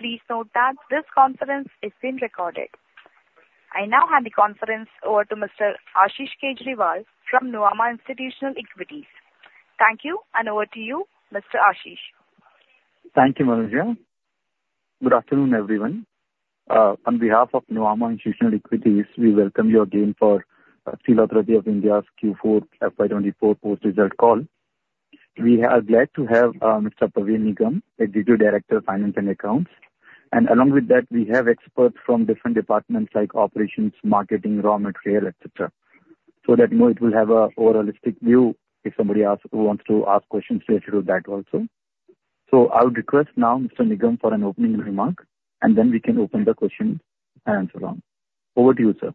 Please note that this conference is being recorded. I now hand the conference over to Mr. Ashish Kejriwal from Nomura Institutional Equities. Thank you, and over to you, Mr. Ashish. Thank you, Manuja. Good afternoon, everyone. On behalf of Nomura Institutional Equities, we welcome you again for Steel Authority of India's Q4 FY24 post-result call. We are glad to have Mr. Praveen Nigam, Executive Director of Finance and Accounts, and along with that, we have experts from different departments like operations, marketing, raw material, et cetera. So that, you know, it will have a more holistic view if somebody asks, wants to ask questions related to that also. So I would request now Mr. Nigam for an opening remark, and then we can open the question and answer round. Over to you, sir.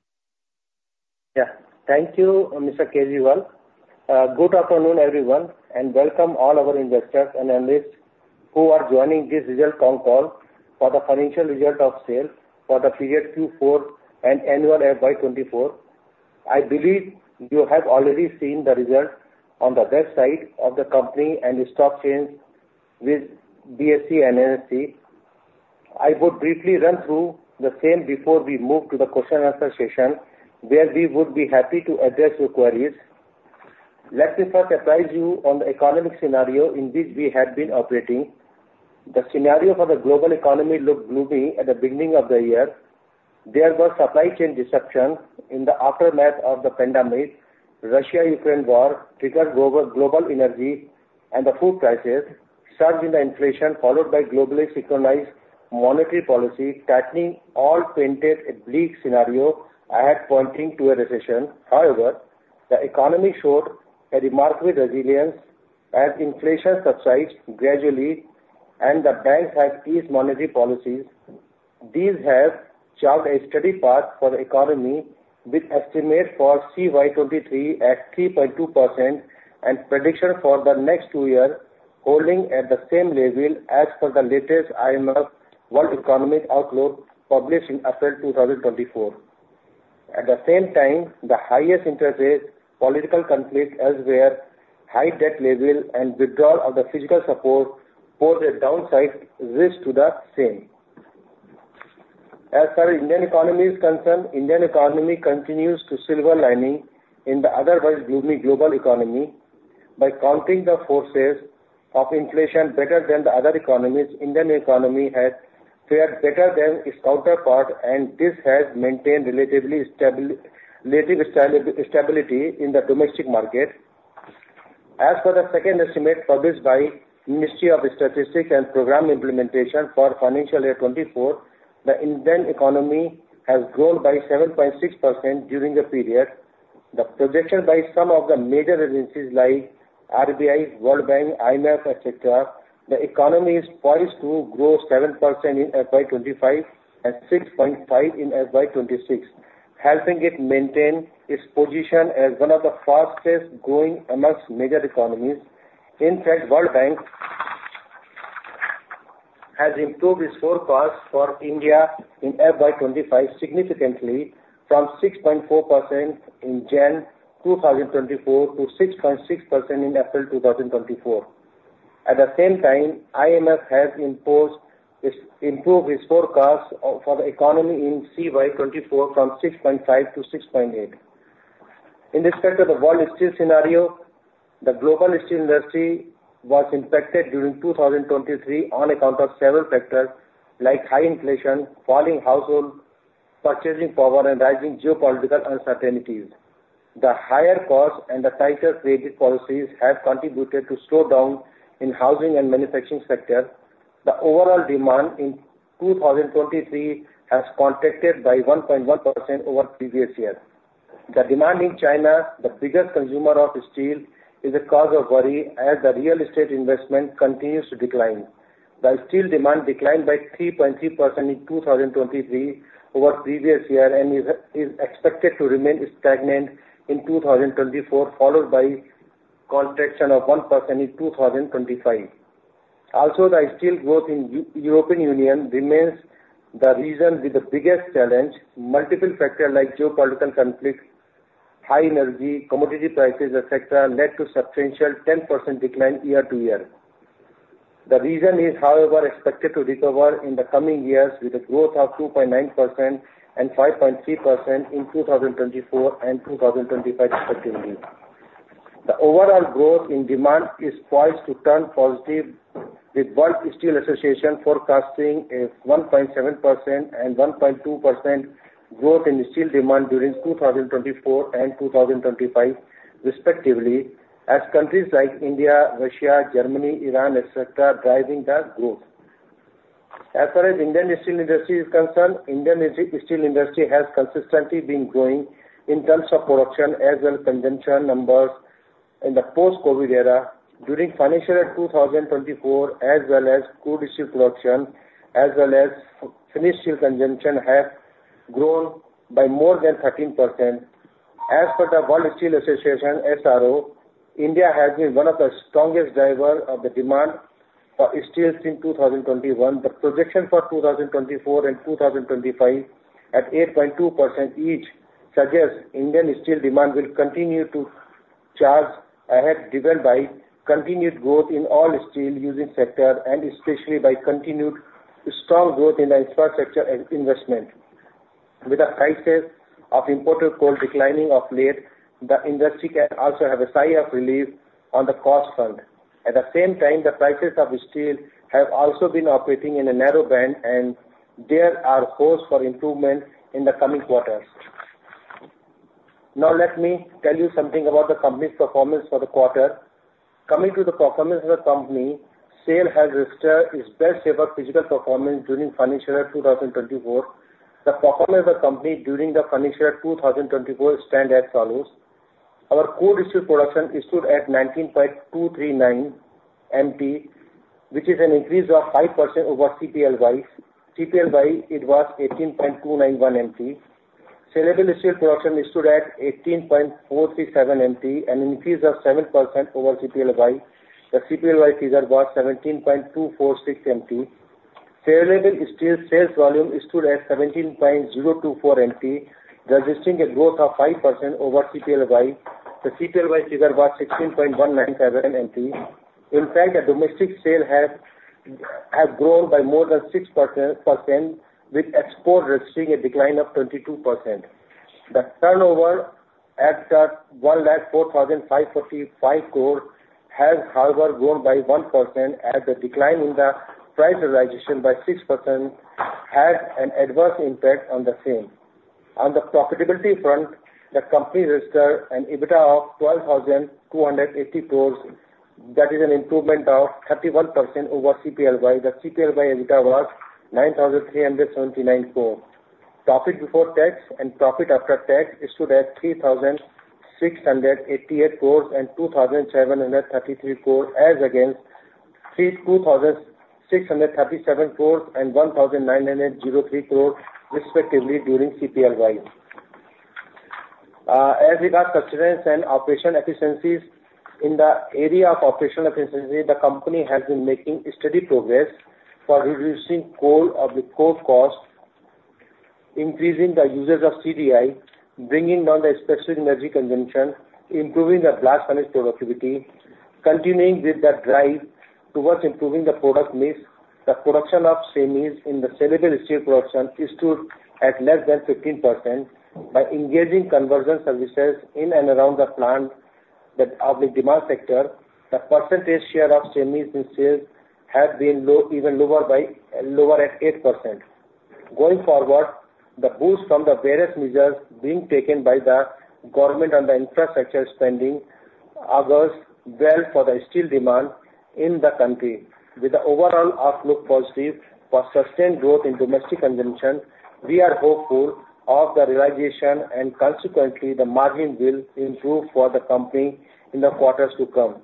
Yeah. Thank you, Mr. Kejriwal. Good afternoon, everyone, and welcome all our investors and analysts who are joining this results conference call for the financial results of SAIL's for the period Q4 and annual FY 2024. I believe you have already seen the results on the website of the company and the stock exchanges with BSE and NSE. I would briefly run through the same before we move to the question and answer session, where we would be happy to address your queries. Let me first apprise you on the economic scenario in which we have been operating. The scenario for the global economy looked gloomy at the beginning of the year. There were supply chain disruptions in the aftermath of the pandemic. Russia-Ukraine war triggered global energy and the food crisis, surge in the inflation, followed by globally synchronized monetary policy tightening, all painted a bleak scenario and pointing to a recession. However, the economy showed a remarkable resilience as inflation subsides gradually and the banks have eased monetary policies. These have charted a steady path for the economy, with estimates for CY 2023 at 3.2% and prediction for the next two year holding at the same level as per the latest IMF World Economic Outlook, published in April 2024. At the same time, the highest interest rates, political conflict elsewhere, high debt level and withdrawal of the physical support pose a downside risk to the same. As far as Indian economy is concerned, Indian economy continues to silver lining in the otherwise gloomy global economy. By countering the forces of inflation better than the other economies, Indian economy has fared better than its counterpart, and this has maintained relatively stability in the domestic market. As for the second estimate published by Ministry of Statistics and Programme Implementation for financial year 24, the Indian economy has grown by 7.6% during the period. The projection by some of the major agencies like RBI, World Bank, IMF, et cetera, the economy is poised to grow 7% in FY 25 and 6.5 in FY 26, helping it maintain its position as one of the fastest growing amongst major economies. In fact, World Bank has improved its forecast for India in FY 25 significantly from 6.4% in January 2024 to 6.6% in April 2024. At the same time, IMF has improved its forecast for the economy in CY 2024 from 6.5 to 6.8. In respect to the world steel scenario, the global steel industry was impacted during 2023 on account of several factors like high inflation, falling household purchasing power, and rising geopolitical uncertainties. The higher costs and the tighter credit policies have contributed to slowdown in housing and manufacturing sectors. The overall demand in 2023 has contracted by 1.1% over previous years. The demand in China, the biggest consumer of steel, is a cause of worry as the real estate investment continues to decline. The steel demand declined by 3.3% in 2023 over previous year and is expected to remain stagnant in 2024, followed by contraction of 1% in 2025. Also, the steel growth in European Union remains the region with the biggest challenge. Multiple factors like geopolitical conflicts, high energy, commodity prices, et cetera, led to substantial 10% decline year-to-year. The region is, however, expected to recover in the coming years, with a growth of 2.9% and 5.3% in 2024 and 2025, respectively. The overall growth in demand is poised to turn positive, with World Steel Association forecasting a 1.7% and 1.2% growth in steel demand during 2024 and 2025 respectively, as countries like India, Russia, Germany, Iran, et cetera, driving that growth. As far as Indian steel industry is concerned, Indian steel industry has consistently been growing in terms of production as well as consumption numbers in the post-COVID era. During financial year 2024, as well as crude steel production, as well as finished steel consumption, have grown by more than 13%. As per the World Steel Association, SRO, India has been one of the strongest driver of the demand for steels in 2021. The projection for 2024 and 2025, at 8.2% each, suggests Indian steel demand will continue to charge ahead, driven by continued growth in all steel using sector, and especially by continued strong growth in the infrastructure and investment. With the prices of imported coal declining of late, the industry can also have a sigh of relief on the cost front. At the same time, the prices of steel have also been operating in a narrow band, and there are hopes for improvement in the coming quarters. Now, let me tell you something about the company's performance for the quarter. Coming to the performance of the company, SAIL has registered its best ever physical performance during financial year 2024. The performance of the company during the financial year 2024 stand as follows: Our crude steel production stood at 19.239 MT, which is an increase of 5% over CPLY. CPLY, it was 18.291 MT. Saleable steel production stood at 18.437 MT, an increase of 7% over CPLY. The CPLY figure was 17.246 MT. Saleable steel SAILs volume stood at 17.024 MT, registering a growth of 5% over CPLY. The CPLY figure was 16.197 MT. In fact, the domestic SAILhas, have grown by more than 6%, with export registering a decline of 22%. The turnover at 1,04,545 crore has, however, grown by 1%, as the decline in the price realization by 6% had an adverse impact on the same. On the profitability front, the company registered an EBITDA of 12,280 crore. That is an improvement of 31% over CPLY. The CPLY EBITDA was 9,379 crore. Profit before tax and profit after tax stood at 3,688 crore and 2,733 crore, as against 3,263 crore and 1,903 crore, respectively, during CPLY. As regards sustenance and operation efficiencies, in the area of operational efficiency, the company has been making steady progress for reducing coal of the core cost, increasing the usage of CDI, bringing down the specific energy consumption, improving the blast furnace productivity, continuing with the drive towards improving the product mix. The production of semis in the saleable steel production stood at less than 15%. By engaging conversion services in and around the plant, of the demand sector, the percentage share of semis in SAILs has been low, even lower by, lower at 8%. Going forward, the boost from the various measures being taken by the government on the infrastructure spending augurs well for the steel demand in the country. With the overall outlook positive for sustained growth in domestic consumption, we are hopeful of the realization, and consequently, the margin will improve for the company in the quarters to come.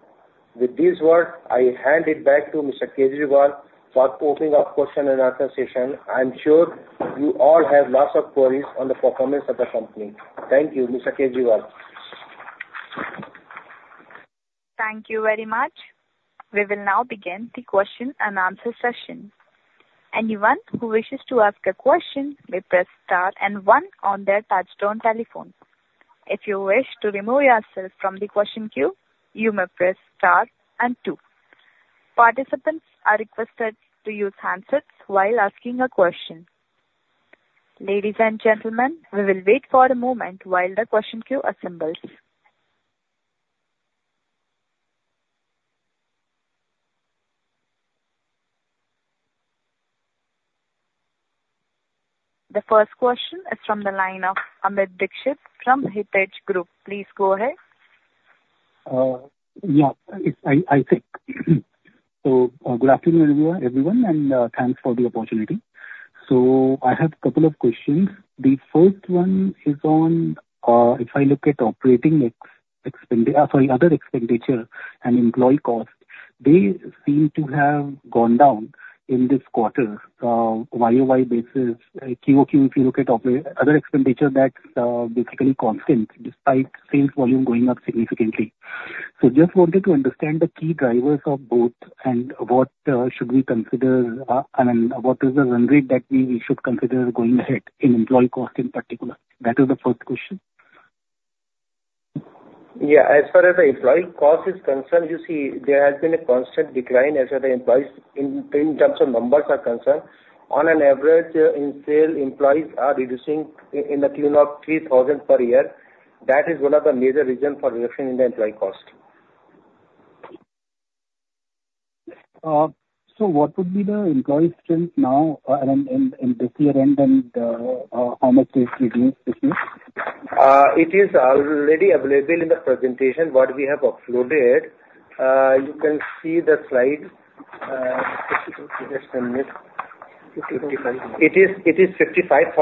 With these words, I hand it back to Mr. Kejriwal for opening up question and answer session. I am sure you all have lots of queries on the performance of the company. Thank you. Mr. Kejriwal? Thank you very much. We will now begin the question and answer session. Anyone who wishes to ask a question, may press star and one on their touchtone telephone. If you wish to remove yourself from the question queue, you may press star and two. Participants are requested to use handsets while asking a question. Ladies and gentlemen, we will wait for a moment while the question queue assembles. The first question is from the line of Amit Dixit from ICICI Securities. Please go ahead. Yeah, it's me, I think. So, good afternoon, everyone, and thanks for the opportunity. So I have a couple of questions. The first one is on, if I look at operating expenditure, sorry, other expenditure and employee cost, they seem to have gone down in this quarter, YOY basis. QOQ, if you look at other expenditure, that's basically constant, despite SAILs volume going up significantly. So just wanted to understand the key drivers of both, and what should we consider, and what is the run rate that we should consider going ahead in employee cost in particular? That is the first question. Yeah, as far as the employee cost is concerned, you see, there has been a constant decline as per the employees in terms of numbers are concerned. On an average, in SAIL, employees are reducing in the tune of 3,000 per year. That is one of the major reason for reduction in the employee cost. So what would be the employee strength now and this year end, and how much is reduced this year? It is already available in the presentation, what we have uploaded. You can see the slide, just a minute. Fifty-five. It is, it is 55,000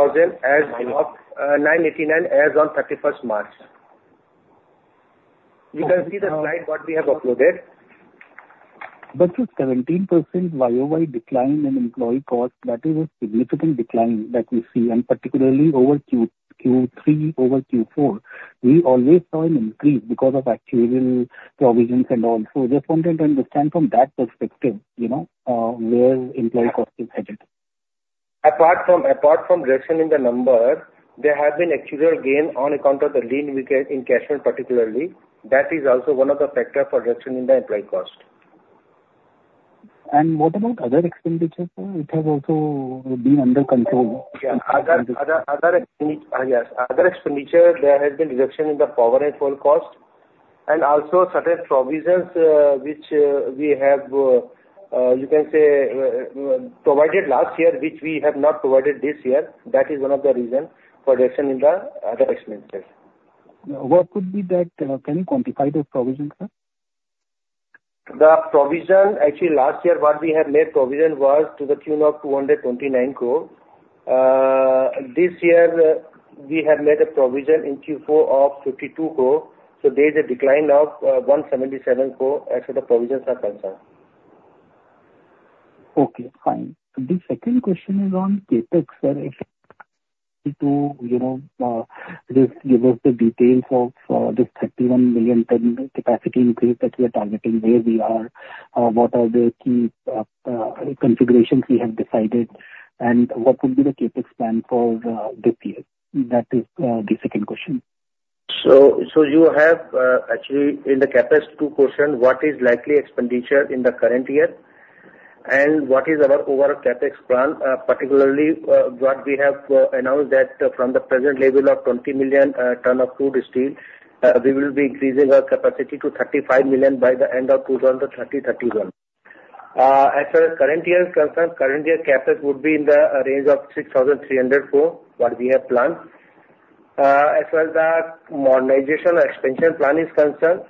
as of 1989, as on 31st March. You can see the slide what we have uploaded. But the 17% YOY decline in employee cost, that is a significant decline that we see, and particularly over Q3 over Q4, we always saw an increase because of actuarial provisions and all. So just wanted to understand from that perspective, you know, where employee cost is headed?... Apart from, apart from reduction in the number, there have been actual gain on account of the leave encashment, particularly. That is also one of the factor for reduction in the employee cost. What about other expenditures? It has also been under control. Yeah. Yes, other expenditure, there has been reduction in the power and phone cost, and also certain provisions, which we have, you can say, provided last year, which we have not provided this year. That is one of the reason for reduction in the other expenditures. What could be that, can you quantify those provisions, sir? The provision, actually, last year what we had made provision was to the tune of 229 crore. This year, we have made a provision in Q4 of 52 crore, so there's a decline of 177 crore as the provisions are concerned. Okay, fine. The second question is on CapEx, sir, if to, you know, just give us the details of, this 31 million ton capacity increase that we are targeting, where we are, what are the key, configurations we have decided, and what would be the CapEx plan for the, this year? That is, the second question. So, actually in the Capex two question, what is likely expenditure in the current year, and what is our overall Capex plan, particularly, what we have announced that from the present level of 20 million tons of crude steel, we will be increasing our capacity to 35 million by the end of 2031. As far as current year is concerned, current year Capex would be in the range of 6,300 crore, what we have planned. As far as the modernization expansion plan is concerned,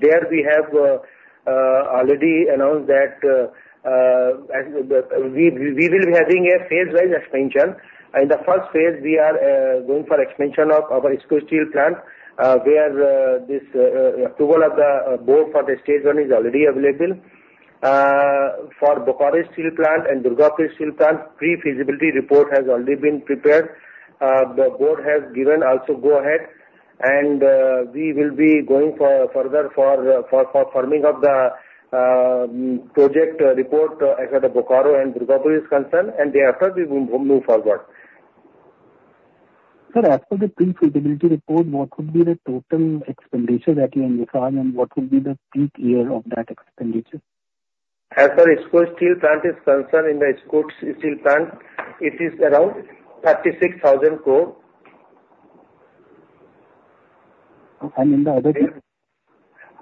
there we have already announced that, as we, we will be having a phase-wide expansion. In the first phase, we are going for expansion of our IISCO Steel Plant, where this approval of the board for the stage one is already available. For Bokaro Steel Plant and Durgapur Steel Plant, pre-feasibility report has already been prepared. The board has given also go ahead, and we will be going for further for forming of the project report as far as Bokaro and Durgapur is concerned, and thereafter we move moving forward. Sir, as for the pre-feasibility report, what would be the total expenditure that you embark on, and what would be the peak year of that expenditure? As for IISCO Steel Plant is concerned, in the IISCO Steel Plant, it is around 36,000 crore. In the other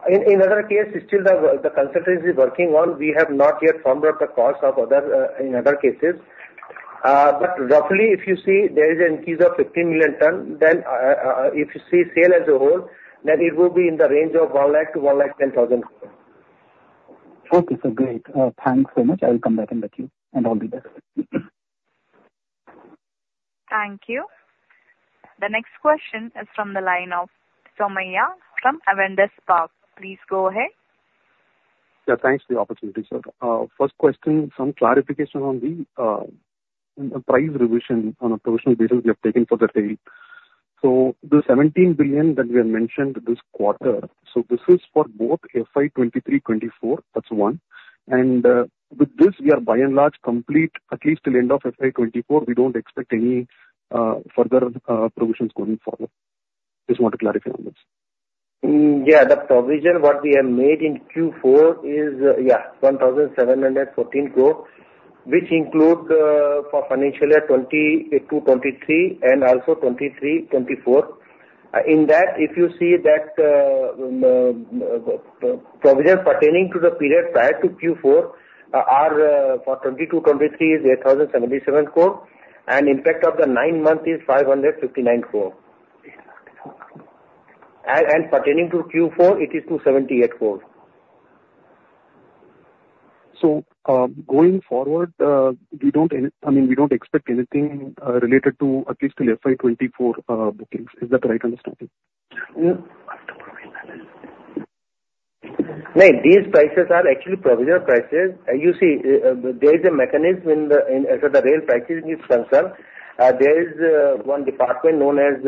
case? In other case, still the consultancy is working on. We have not yet formed up the cost of other in other cases. But roughly, if you see, there is an increase of 15 million tons, then if you see SAIL as a whole, then it will be in the range of 100,000 crore-110,000 crore. Okay, sir, great. Thanks so much. I will come back in the queue, and all the best. Thank you. The next question is from the line of Somaiah, from Avendus Spark. Please go ahead. Yeah, thanks for the opportunity, sir. First question, some clarification on the price revision on a provision basis we have taken for the day. So the 17 billion that we have mentioned this quarter, so this is for both FY 2023, 2024, that's one, and with this we are by and large complete at least till end of FY 2024, we don't expect any further provisions going forward. Just want to clarify on this. Yeah, the provision what we have made in Q4 is, yeah, 1,714 crore, which include, for financial year 2022, 2023 and also 2023, 2024. In that, if you see that, provision pertaining to the period prior to Q4 are, for 2022, 2023 is 8,077 crore, and impact of the nine months is 559 crore. Yeah. Pertaining to Q4, it is 278 crore. So, going forward, we don't any... I mean, we don't expect anything, related to at least till FY 24, bookings. Is that the right understanding? No, these prices are actually provision prices. You see, there is a mechanism in the, in as far as the rail pricing is concerned, there is one department known as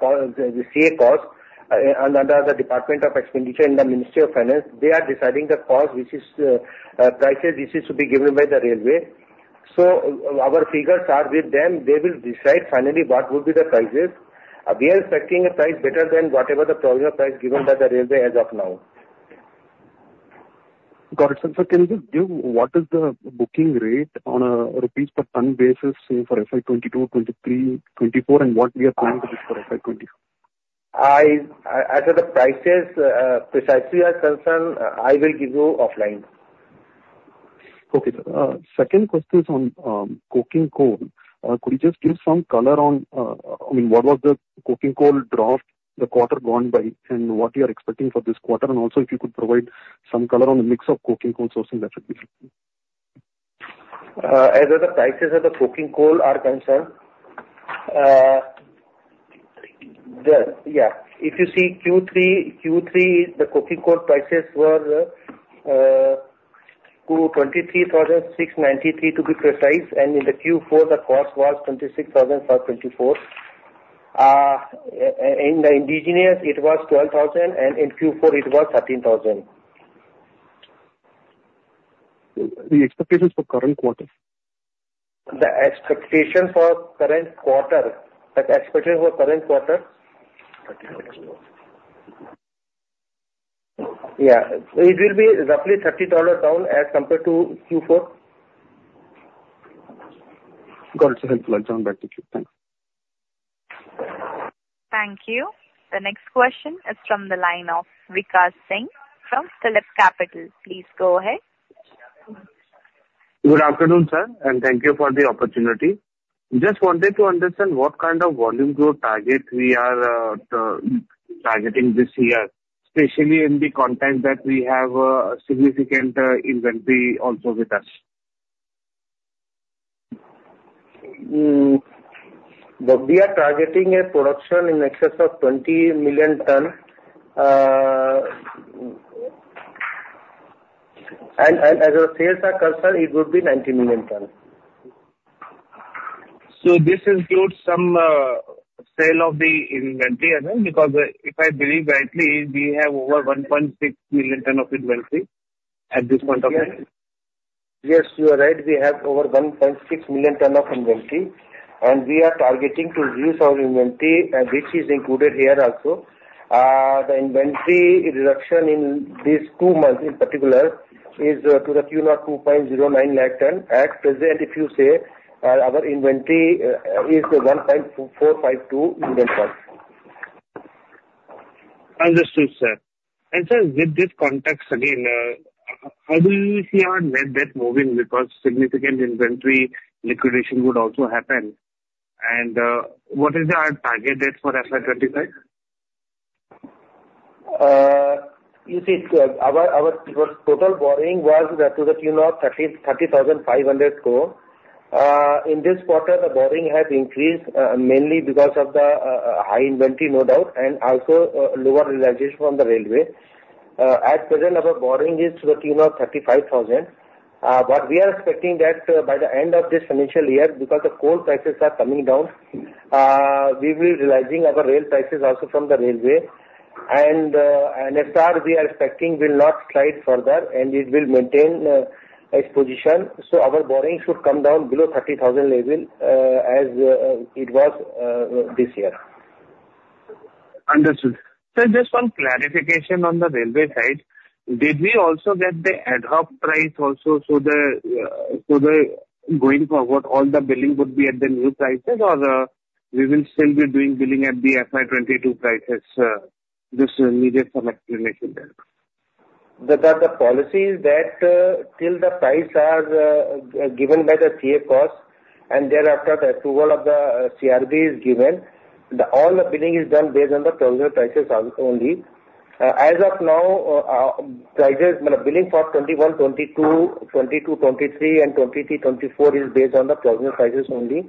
cost, the CA Cost, under the Department of Expenditure in the Ministry of Finance. They are deciding the cost, which is prices which is to be given by the railway. So our figures are with them. They will decide finally what would be the prices. We are expecting a price better than whatever the provision price given by the railway as of now. Got it. Sir, can you just give what is the booking rate on a rupees per ton basis for FY 2022, 2023, 2024, and what we are planning to do for FY 2024? I, as the prices precisely are concerned, I will give you offline. Okay, sir. Second question is on coking coal. Could you just give some color on, I mean, what was the coking coal draft the quarter gone by, and what you are expecting for this quarter, and also if you could provide some color on the mix of coking coal sourcing, that'd be great. As the prices of the coking coal are concerned, if you see Q3, Q3, the coking coal prices were 223,693 to be precise, and in the Q4 the cost was 26,424. In the indigenous it was 12,000, and in Q4 it was 13,000.... The expectations for current quarter? The expectation for current quarter, the expectation for current quarter? Yeah. It will be roughly $30 down as compared to Q4. Got it. Thank you. I'll turn back to you. Thanks. Thank you. The next question is from the line of Vikas Singh from PhillipCapital. Please go ahead. Good afternoon, sir, and thank you for the opportunity. Just wanted to understand what kind of volume growth target we are targeting this year, especially in the context that we have a significant inventory also with us? Well, we are targeting a production in excess of 20 million ton. And as our sales are concerned, it would be 19 million ton. This includes some sale of the inventory, I know, because if I believe rightly, we have over 1.6 million tons of inventory at this point of time. Yes, you are right. We have over 1.6 million tons of inventory, and we are targeting to reduce our inventory, and this is included here also. The inventory reduction in these two months in particular is to the tune of 2.09 lakh tons. At present, if you say, our inventory is 1.452 million tons. Understood, sir. Sir, with this context again, how do you see our net debt moving? Because significant inventory liquidation would also happen. What is our target date for FY25? You see, our total borrowing was to the tune of 30,500 crore. In this quarter, the borrowing has increased, mainly because of the high inventory, no doubt, and also lower realization from the railway. At present, our borrowing is to the tune of 35,000 crore. But we are expecting that by the end of this financial year, because the coal prices are coming down, we will be realizing our rail prices also from the railway. And, NSR, we are expecting, will not slide further, and it will maintain its position. So our borrowing should come down below 30,000 crore level, as it was this year. Understood. Sir, just one clarification on the railway side: Did we also get the ad hoc price also so the going forward, all the billing would be at the new prices, or, we will still be doing billing at the FY 2022 prices? Just needed some explanation there. The policy is that, till the prices are given by the CA Cost, and thereafter the approval of the CRB is given, all the billing is done based on the current prices only. As of now, our prices, when billing for 2021-22, 2022-23, and 2023-24, is based on the current prices only.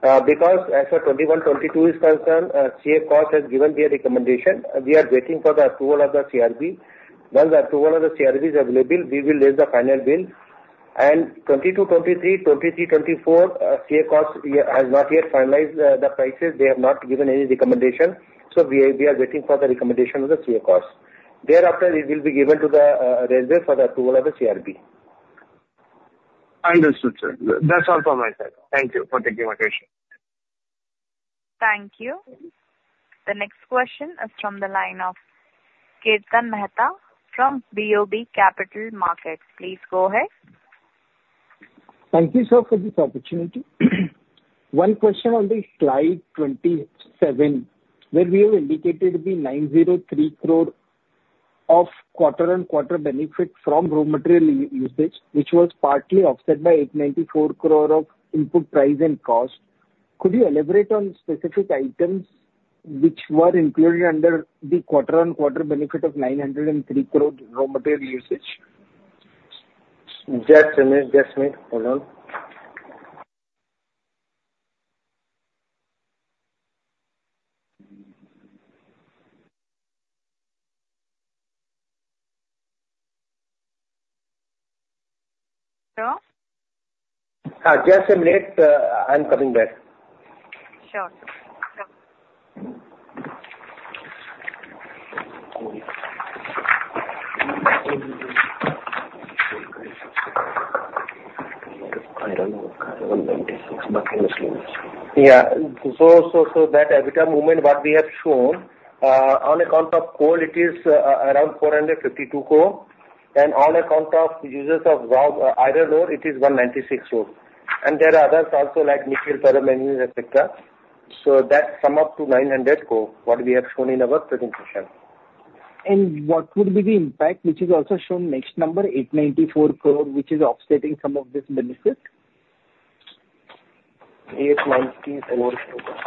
Because as of 2021-22 is concerned, CA Cost has given their recommendation. We are waiting for the approval of the CRB. Once the approval of the CRB is available, we will raise the final bill. And 2022-23, 2023-24, CA Cost has not yet finalized the prices. They have not given any recommendation, so we are waiting for the recommendation of the CA Cost. Thereafter, it will be given to the railway for the approval of the CRB. Understood, sir. That's all from my side. Thank you for taking my question. Thank you. The next question is from the line of Ketan Mehta from BOB Capital Markets. Please go ahead. Thank you, sir, for this opportunity. One question on the slide 27, where we have indicated the 903 crore of quarter-on-quarter benefit from raw material usage, which was partly offset by 894 crore of input price and cost. Could you elaborate on specific items which were included under the quarter-on-quarter benefit of 903 crore raw material usage? Just a minute. Just a minute. Hold on. Hello? Just a minute. I'm coming back. Sure. Yeah. So that EBITDA movement, what we have shown, on account of coal, it is around 452 crore. And on account of uses of raw iron ore, it is 196 crore. And there are others also like nickel, ferro manganese, etc. So that sum up to 900 crore, what we have shown in our presentation. What would be the impact, which is also shown next number, 894 crore, which is offsetting some of this benefit? 894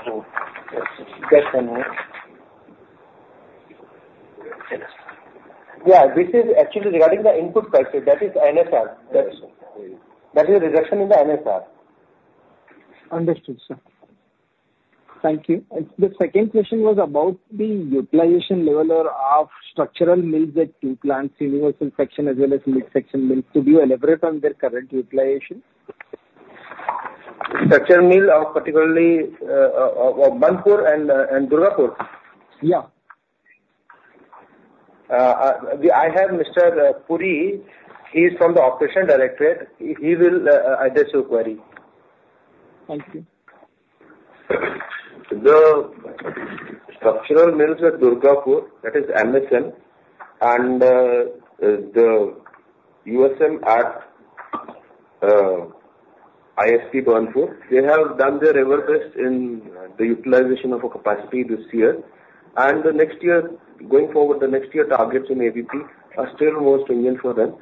crore. Just a minute. Yeah, this is actually regarding the input prices. That is NSR. That's, that is a reduction in the NSR. Understood, sir. Thank you. The second question was about the utilization level of structural mills at two plants, Universal Section Mill as well as Medium Structural Mill. Could you elaborate on their current utilization?... structural mill of particularly of Burnpur and Durgapur? Yeah. I have Mr. Puri, he's from the Operations Directorate. He will address your query. Thank you. The structural mills at Durgapur, that is MSM, and the USM at ISP, Burnpur, they have done their very best in the utilization of our capacity this year. And the next year, going forward, the next year targets in ABP are still modest for them,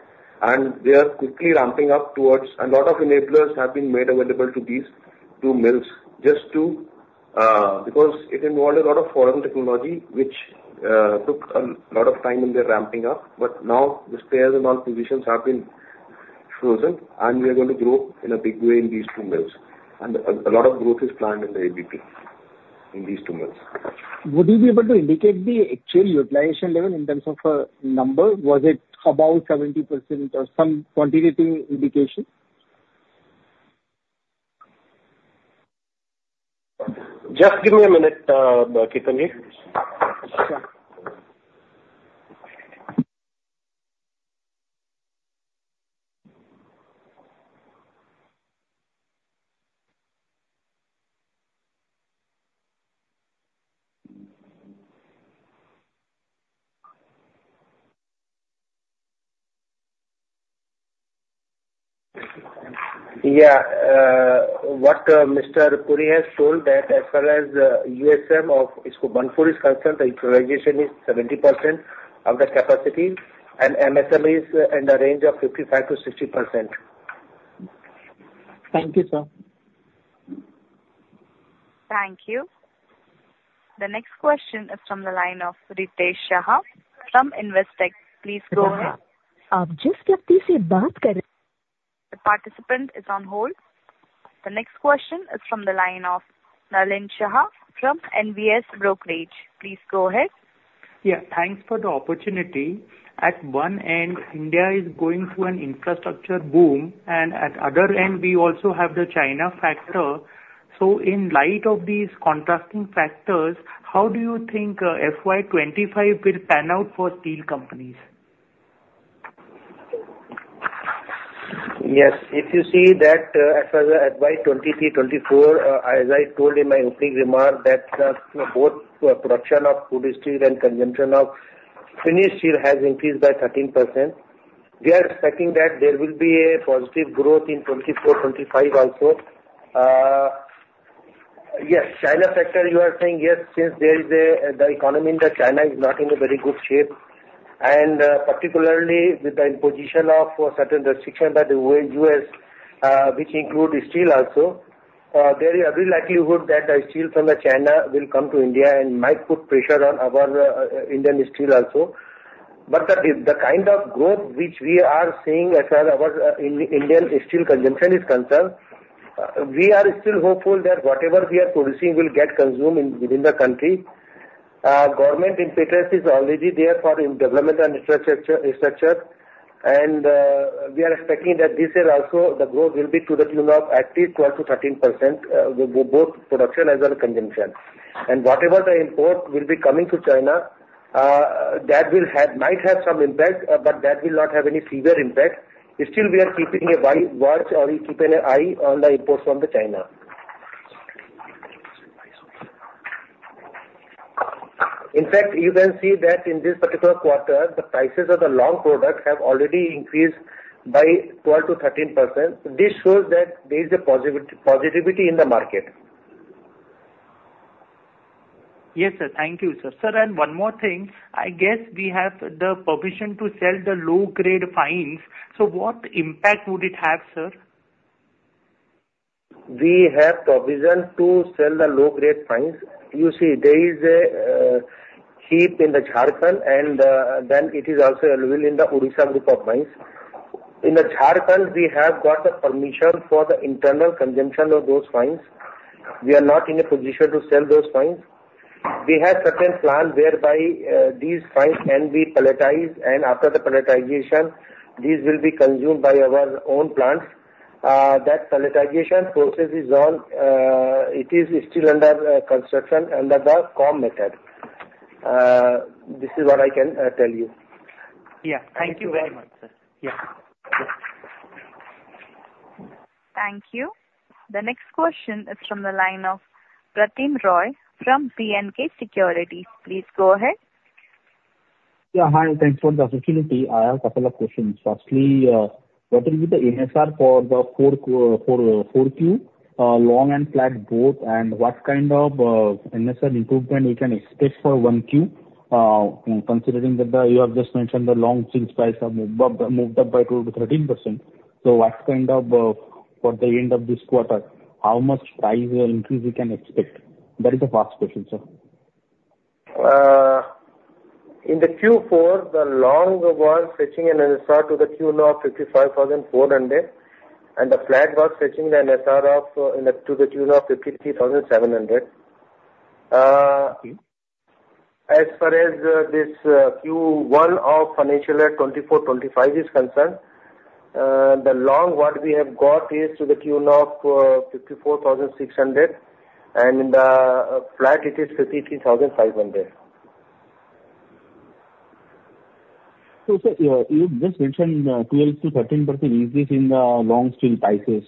and they are quickly ramping up towards. A lot of enablers have been made available to these two mills, just to, because it involved a lot of foreign technology, which took a lot of time in their ramping up. But now the spares and all positions have been frozen, and we are going to grow in a big way in these two mills. And a lot of growth is planned in the ABP, in these two mills. Would you be able to indicate the actual utilization level in terms of a number? Was it above 70% or some quantitative indication? Just give me a minute, Kiritani. Sure. Yeah. What Mr. Puri has told that as far as USM of Burnpur is concerned, the utilization is 70% of the capacity, and MSM is in the range of 55%-60%. Thank you, sir. Thank you. The next question is from the line of Ritesh Shah from Investec. Please go ahead. The participant is on hold. The next question is from the line of Nalin Shah from NVS Brokerage. Please go ahead. Yeah, thanks for the opportunity. At one end, India is going through an infrastructure boom, and at other end, we also have the China factor. So in light of these contrasting factors, how do you think, FY 25 will pan out for steel companies? Yes, if you see that, as far as FY 2023-24, as I told in my opening remark, that, both production of crude steel and consumption of finished steel has increased by 13%. We are expecting that there will be a positive growth in 2024-25 also. Yes, China factor, you are saying, yes, since there is a, the economy in China is not in a very good shape. And, particularly with the imposition of certain restriction by the U.S., which include steel also, there is every likelihood that the steel from China will come to India and might put pressure on our, Indian steel also. But the kind of growth which we are seeing as far as our Indian steel consumption is concerned, we are still hopeful that whatever we are producing will get consumed within the country. Government impetus is already there for development and infrastructure. And we are expecting that this year also, the growth will be to the tune of at least 12%-13%, both production as well as consumption. And whatever the import will be coming to China, that will have, might have some impact, but that will not have any severe impact. Still, we are keeping a wide watch or keeping an eye on the imports from China. In fact, you can see that in this particular quarter, the prices of the long products have already increased by 12%-13%. This shows that there is a positivity in the market. Yes, sir. Thank you, sir. Sir, and one more thing. I guess we have the permission to sell the low-grade fines. So what impact would it have, sir? We have provision to sell the low-grade fines. You see, there is a heap in the Jharkhand, and then it is also available in the Odisha group of mines. In the Jharkhand, we have got the permission for the internal consumption of those fines. We are not in a position to sell those fines. We have certain plan whereby these fines can be pelletized, and after the pelletization, these will be consumed by our own plants. That pelletization process is on, it is still under construction under the comm method. This is what I can tell you. Yeah. Thank you very much, sir. Yeah. Thank you. The next question is from the line of Pratim Roy from Batlivala & Karani Securities. Please go ahead. Yeah. Hi, thanks for the opportunity. I have a couple of questions. Firstly, what will be the NSR for the Q4, long and flat both? And what kind of NSR improvement we can expect for Q1, considering that you have just mentioned the long steel price have moved up, moved up by 12%-13%. So what kind of, for the end of this quarter, how much price increase we can expect? That is the first question, sir. In Q4, the long was fetching an NSR to the tune of 55,400, and the flat was fetching the NSR to the tune of 53,700. Mm-hmm. As far as this Q1 of financial year 2024-25 is concerned, the long what we have got is to the tune of 54,600, and in the flat it is 53,500. So sir, you just mentioned, 12%-13% increase in the long steel prices.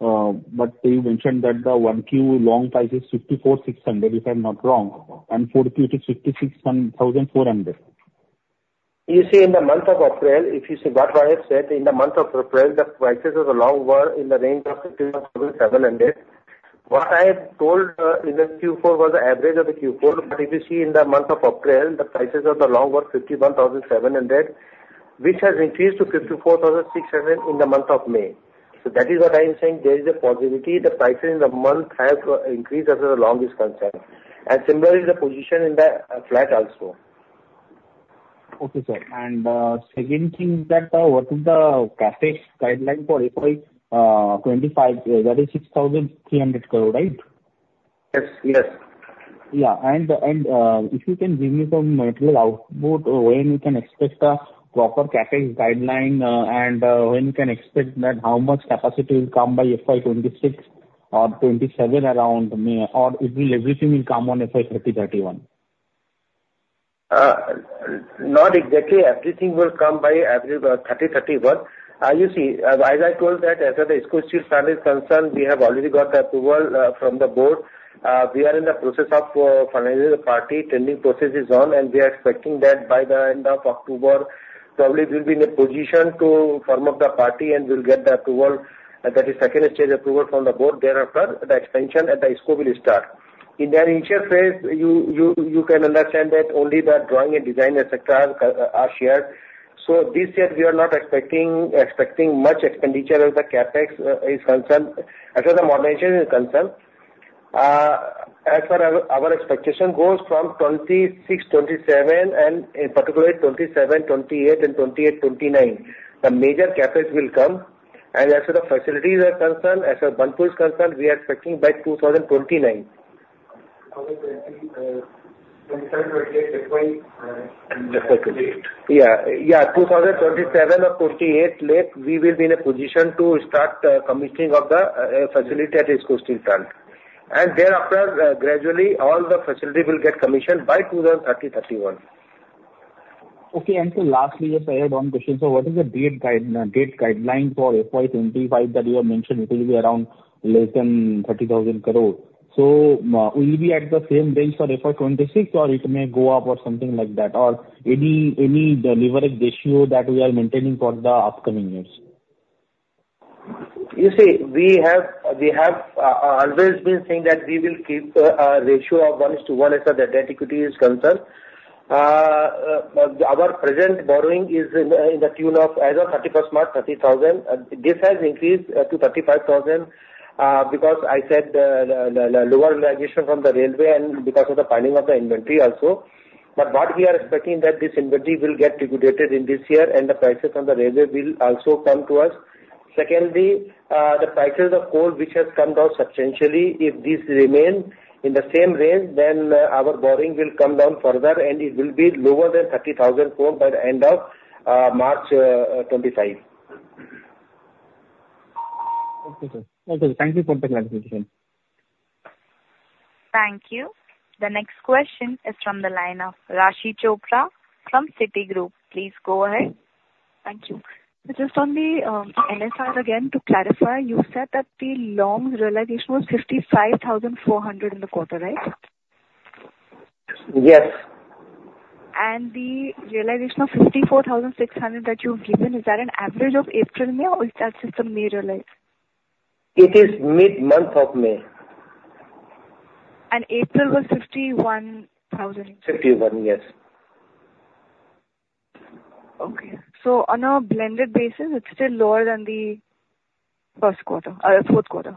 But you mentioned that the 1Q long price is 54,600, if I'm not wrong, and 4Q to 56,400. You see, in the month of April, if you see what I have said, in the month of April, the prices of the long were in the range of 51,700. What I have told in the Q4 was the average of the Q4, but if you see in the month of April, the prices of the long were 51,700, which has increased to 54,600 in the month of May. So that is what I'm saying, there is a possibility the prices in the month have increased as the long is concerned, and similarly the position in the flat also. Okay, sir. Second thing is that, what is the CapEx guideline for FY 2025? That is INR 6,300 crore, right? Yes, yes. Yeah, and if you can give me some material output, when we can expect the proper CapEx guideline, and when we can expect that, how much capacity will come by FY 2026 or 2027 around May, or it will everything will come on FY 2031. Not exactly everything will come by every thirty-thirty-one. You see, as I told that as far as the IISCO Steel Plant is concerned, we have already got the approval from the board. We are in the process of finalizing the party. Tendering process is on, and we are expecting that by the end of October, probably we'll be in a position to firm up the party, and we'll get the approval, that is second stage approval from the board. Thereafter, the expansion at the East Coast will start. In the initial phase, you can understand that only the drawing and design, et cetera, are shared. So this year we are not expecting much expenditure as the CapEx is concerned, as far as the modernization is concerned. As for our expectation goes from 26, 27, and in particular, 27, 28, and 28, 29. The major CapEx will come, and as for the facilities are concerned, as far as Burnpur is concerned, we are expecting by 2029. 2027, 28 FY. 2027 or 2028 late, we will be in a position to start commissioning of the facility at East Coast plant. And thereafter, gradually, all the facility will get commissioned by 2030, 31. Okay, and so lastly, just to add one question. So what is the debt guide, debt guideline for FY 25 that you have mentioned? It will be around less than 30,000 crore. So, will it be at the same range for FY 26, or it may go up or something like that, or any, any leverage ratio that we are maintaining for the upcoming years? You see, we have always been saying that we will keep a ratio of 1:1 as far as the debt equity is concerned. Our present borrowing is to the tune of as of 31st March 30,000 crore. This has increased to 35,000 crore because I said the lower realization from the railway and because of the piling of the inventory also. But what we are expecting that this inventory will get regulated in this year, and the prices on the railway will also come to us. Secondly, the prices of coal, which has come down substantially, if this remains in the same range, then our borrowing will come down further, and it will be lower than 30,000 crore by the end of March 2025. Okay, sir. Okay, thank you for the clarification. Thank you. The next question is from the line of Rashi Chopra from Citigroup. Please go ahead. Thank you. Just on the NSR, again, to clarify, you said that the long realization was 55,400 in the quarter, right? Yes. The realization of 54,600 that you've given, is that an average of April, May, or is that just the May realization? It is mid-month of May. April was 51,000? Fifty-one, yes. Okay. So on a blended basis, it's still lower than the first quarter, fourth quarter.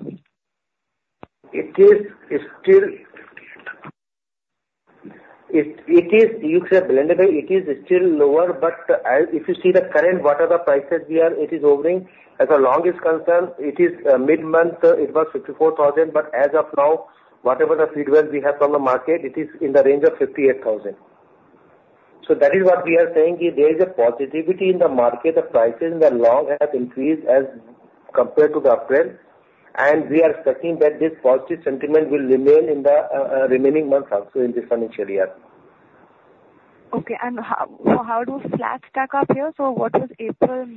It is still lower, but if you see the current prices, as far as long is concerned, it is mid-month, it was 54,000, but as of now, whatever the feedback we have from the market, it is in the range of 58,000. So that is what we are saying, there is a positivity in the market. The prices in the long have increased as compared to April, and we are expecting that this positive sentiment will remain in the remaining months also in this financial year. Okay, and how do flats stack up here? So what was April,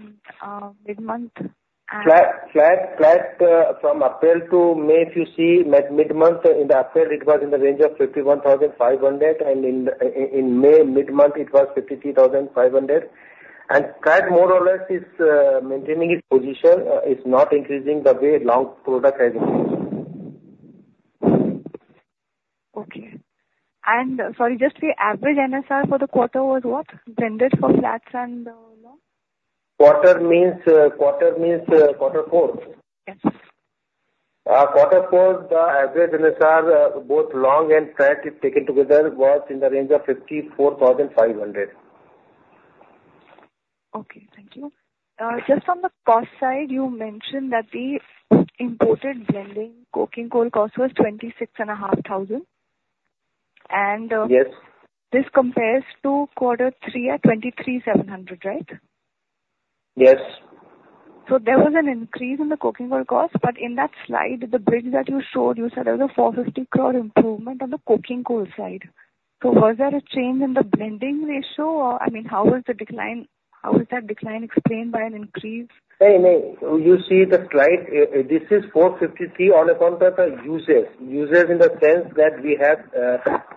mid-month and- Flat, flat, flat, from April to May, if you see mid, mid-month in April, it was in the range of 51,500, and in May mid-month, it was 53,500. And flat, more or less, is maintaining its position, is not increasing the way long product has increased. Okay. And sorry, just the average NSR for the quarter was what? Blended for flats and long. Quarter means, quarter means, quarter four? Yes. Quarter four, the average NSR, both long and flat, is taken together, was in the range of 54,500.... Okay, thank you. Just on the cost side, you mentioned that the imported blending coking coal cost was 26,500, and, Yes. This compares to quarter three at 23,700, right? Yes. So there was an increase in the coking coal cost, but in that slide, the bridge that you showed, you said there was an 450 crore improvement on the coking coal side. So was there a change in the blending ratio, or, I mean, how was the decline, how was that decline explained by an increase? No, no. You see the slide, this is 453 on account of the usage. Usage in the sense that we have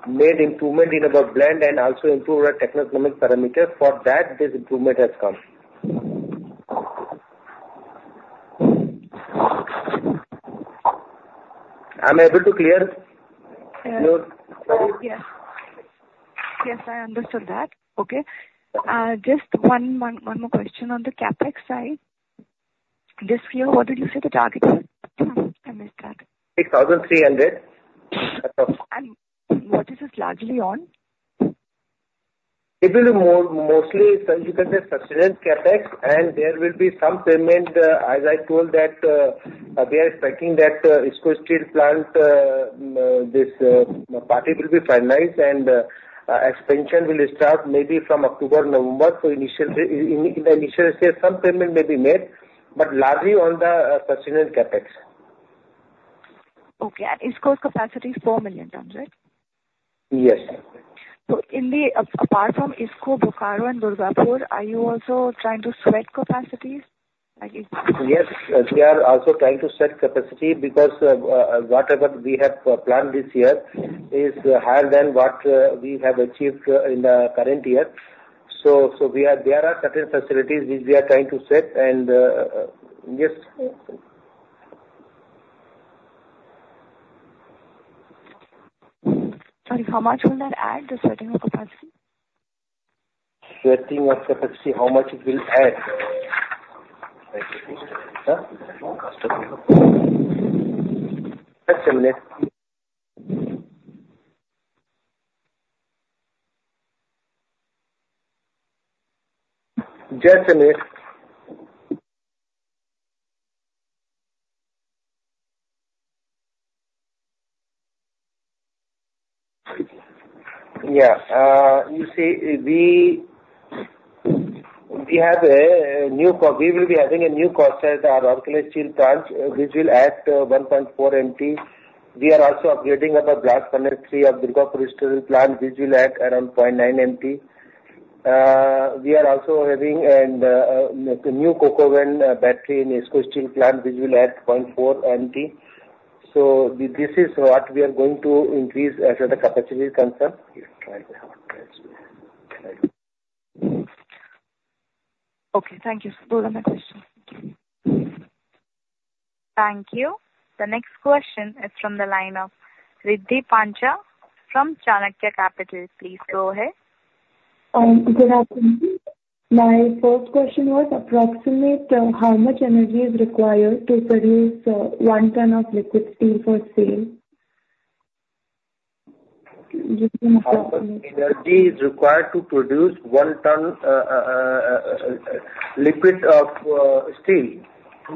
made improvement in our blend and also improved our techno-economic parameters. For that, this improvement has come. I'm able to clear? Yes. Yes, I understood that. Okay. Just one more question on the CapEx side. This year, what did you say the target is? I missed that. 8,300. What is this largely on? It will be mostly, you can say, sustainable CapEx, and there will be some payment, as I told that, we are expecting that, IISCO Steel Plant, this party will be finalized, and expansion will start maybe from October, November. So initially, in the initial stage, some payment may be made, but largely on the sustainable CapEx. Okay. IISCO's capacity is 4 million tons, right? Yes. So, apart from IISCO, Bokaro and Durgapur, are you also trying to sweat capacities like you? Yes, we are also trying to sweat capacity because, whatever we have planned this year is higher than what, we have achieved, in the current year. So, so we are, there are certain facilities which we are trying to sweat and, yes. Sorry, how much will that add, the sweating of capacity? Sweating of capacity, how much it will add? Just a minute. Just a minute. Yeah. You see, we will be having a new caster at our Rourkela Steel Plant, which will add 1.4 MT. We are also upgrading our Blast Furnace 3 of Durgapur Steel Plant, which will add around 0.9 MT. We are also having a new coke oven battery in IISCO Steel Plant, which will add 0.4 MT. So this is what we are going to increase as far as the capacity is concerned. Okay, thank you. Those are my questions. Thank you. The next question is from the line of Riddhi Panchal from Chanakya Capital. Please go ahead. Good afternoon. My first question was, approximate, how much energy is required to produce one ton of liquid steel for sale? How much energy is required to produce one ton of liquid steel?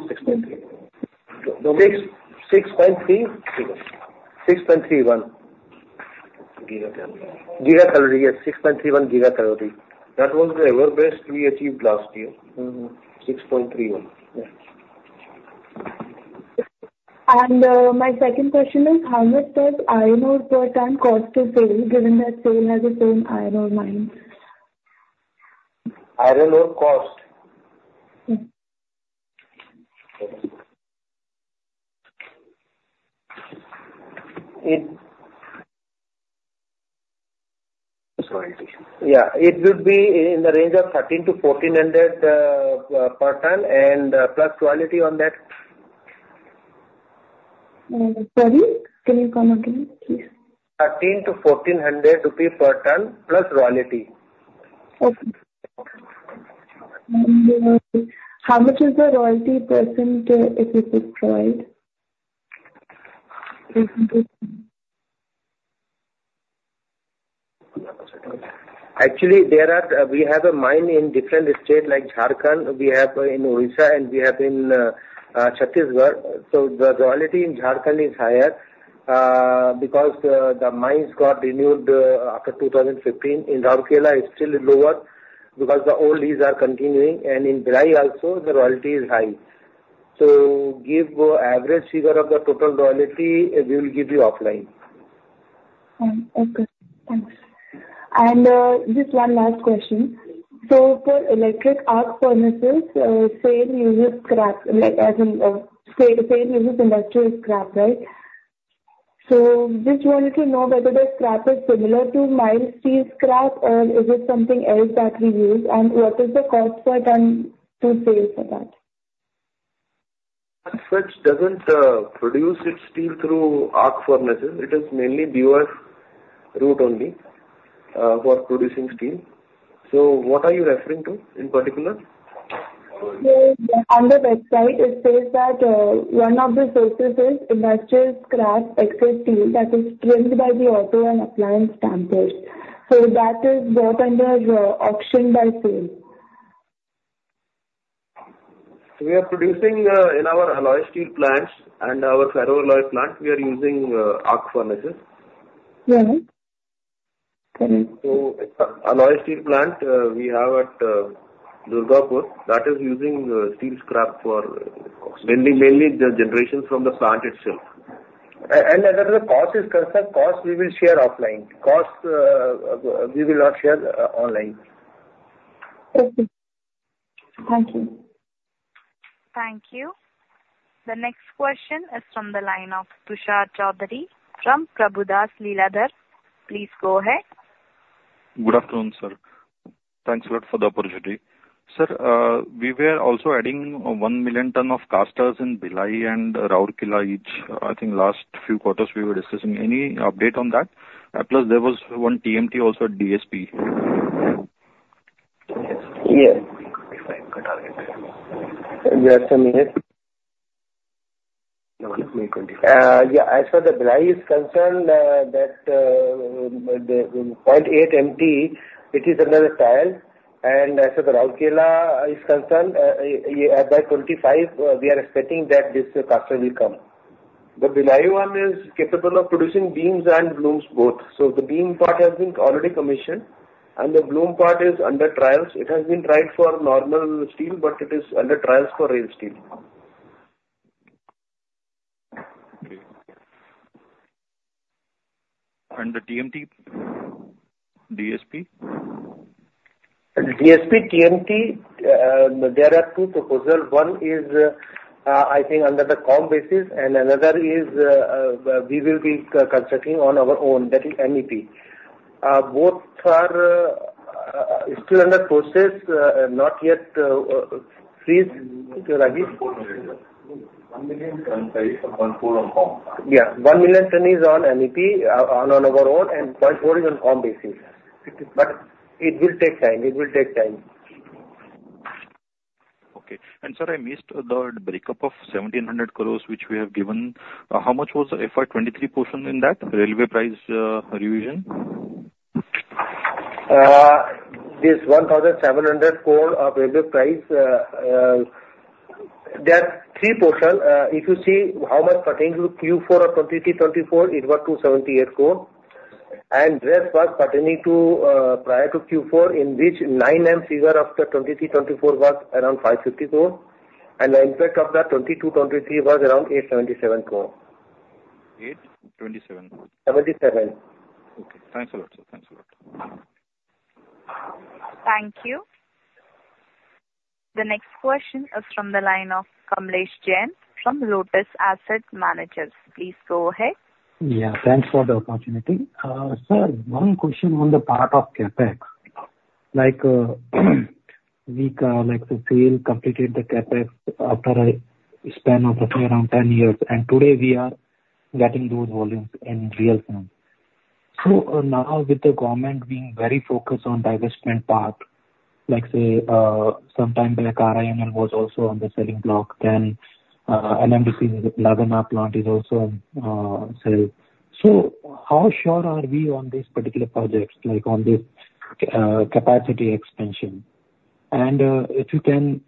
6.3. 6, 6.3? 6.31 gigacalorie. Gigacalorie, yes, 6.31 gigacalorie. That was the world's best we achieved last year. Mm-hmm. 6.31. Yes. My second question is: How much does iron ore per ton cost to SAIL, given that SAIL has its own iron ore mine? Iron Ore cost. Mm-hmm. Yeah, it would be in the range of 1,300-1,400 per ton, and plus royalty on that. Sorry, can you come again, please? 1,300-1,400 rupees per ton, plus royalty. Okay. How much is the royalty percentage, if it is provided? Actually, there are, we have a mine in different state, like Jharkhand, we have in Odisha, and we have in Chhattisgarh. So the royalty in Jharkhand is higher, because the mines got renewed after 2015. In Rourkela, it's still lower because the old lease are continuing, and in Bhilai also, the royalty is high. So give the average figure of the total royalty, we will give you offline. Okay, thanks. And just one last question: So for electric arc furnaces, same uses scrap, like, as in, same, same uses industrial scrap, right? So just wanted to know whether the scrap is similar to mild steel scrap, or is it something else that we use, and what is the cost per ton to SAIL for that? As such, doesn't produce its steel through arc furnaces. It is mainly BF route only for producing steel. So what are you referring to in particular?... So on the website, it says that, one of the sources is industrial scrap excess steel that is trimmed by the auto and appliance stampers. So that is bought under, auction by SAIL. We are producing in our alloy steel plants and our ferroalloy plant, we are using arc furnaces. Mm-hmm. Correct. So, alloy steel plant, we have at Durgapur, that is using steel scrap for mainly, mainly the generations from the plant itself. And as far as the cost is concerned, cost we will share offline. Cost, we will not share online. Okay. Thank you. Thank you. The next question is from the line of Tushar Chaudhary from Prabhudas Lilladher. Please go ahead. Good afternoon, sir. Thanks a lot for the opportunity. Sir, we were also adding 1 million tons of casters in Bhilai and Rourkela each. I think last few quarters we were discussing. Any update on that? Plus, there was one TMT also at DSP. Yes. Yes, Samir. Yeah, as far as Bhilai is concerned, that, the 0.8 MT, it is under the trial, and as far as Rourkela is concerned, by 2025, we are expecting that this caster will come. The Bhilai one is capable of producing beams and blooms both. So the beam part has been already commissioned, and the bloom part is under trials. It has been tried for normal steel, but it is under trials for rail steel. Okay. And the TMT, DSP? DSP, TMT, there are two proposals. One is, I think under the COM basis, and another is, we will be constructing on our own, that is MEP. Both are, still under process, not yet, freeze. Rajeev? 1 million on site, 1.4 on COM. Yeah, 1 million ton is on MEP, on our own, and 0.4 is on COM basis. But it will take time. It will take time. Okay. And sir, I missed the break-up of 1,700 crore, which we have given. How much was the FY 2023 portion in that railway price revision? This INR 1,700 crore of railway price, there are three portions. If you see how much pertaining to Q4 of 2023-2024, it was 278 crore. Rest was pertaining to, prior to Q4, in which 9-month figure of the 2023-2024 was around 550 crore, and the impact of the 2022-2023 was around 877 crore. 827 crore. Seventy-seven. Okay, thanks a lot, sir. Thanks a lot. Thank you. The next question is from the line of Kamlesh Jain from Lotus Asset Managers. Please go ahead. Yeah, thanks for the opportunity. Sir, one question on the part of CapEx. Like, we, like SAILl completed the CapEx after a span of around 10 years, and today we are getting those volumes in real time. So, now with the government being very focused on divestment part, like, say, sometime back, RIN was also on the selling block, then, NMDC Nagarnar plant is also sell. So how sure are we on this particular projects, like on this, capacity expansion? And, if you can,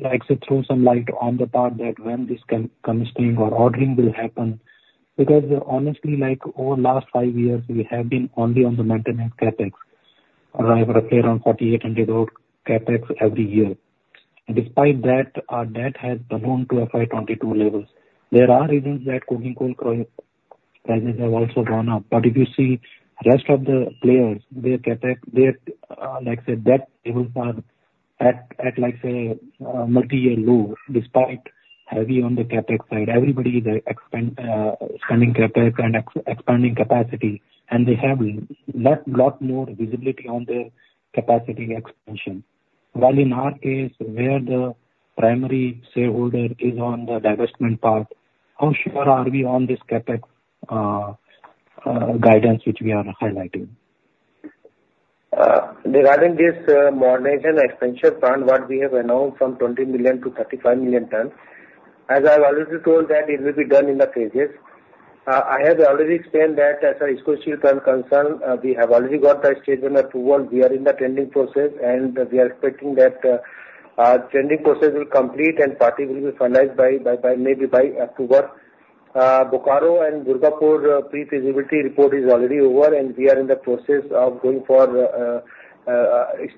like, say, throw some light on the part that when this can come stream or ordering will happen, because honestly, like, over last 5 years, we have been only on the maintenance CapEx, around 4,800 crore CapEx every year. And despite that, our debt has grown to FY 2022 levels. There are reasons that coking coal prices have also gone up, but if you see rest of the players, their CapEx, their, like, say, debt levels are at, like, say, multi-year low, despite heavy on the CapEx side. Everybody is spending CapEx and expanding capacity, and they have lot more visibility on their capacity expansion. While in our case, where the primary shareholder is on the divestment path, how sure are we on this CapEx guidance, which we are highlighting? Regarding this modernization expansion plan, what we have announced from 20 million to 35 million tons, as I have already told that it will be done in the phases. I have already explained that as far as Rourkela is concerned, we have already got the stage one approval. We are in the tendering process, and we are expecting that our tendering process will complete and party will be finalized by maybe October. Bokaro and Durgapur, pre-feasibility report is already over, and we are in the process of going for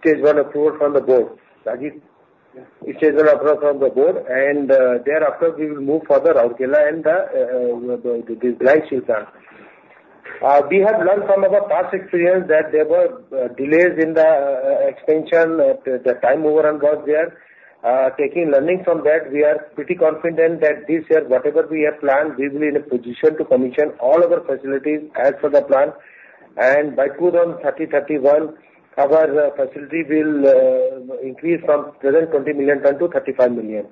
stage one approval from the board. Rajeev? Yes. Stage one approval from the board, and thereafter, we will move further Rourkela and the Bhilai Steel Plant. We have learned from our past experience that there were delays in the expansion. The time overrun was there. Taking learning from that, we are pretty confident that this year, whatever we have planned, we will be in a position to commission all our facilities as per the plan, and by June 30, 31, our facility will increase from present 20 million ton to 35 million.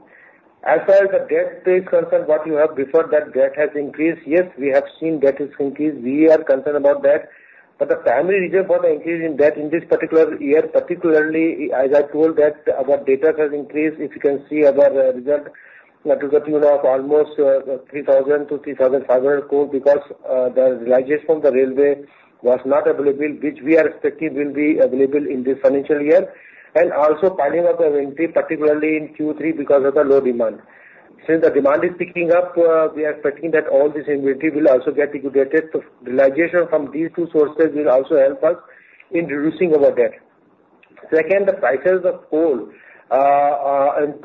As far as the debt is concerned, what you have referred that debt has increased, yes, we have seen debt has increased. We are concerned about that, but the primary reason for the increase in debt in this particular year, particularly, as I told that our debtors has increased, if you can see our result to the tune of almost 3,000 crore-3,500 crore, because the realization from the railway was not available, which we are expecting will be available in this financial year. And also planning of the inventory, particularly in Q3, because of the low demand. Since the demand is picking up, we are expecting that all this inventory will also get liquidated. So realization from these two sources will also help us in reducing our debt. Second, the prices of coal, in 2023-24,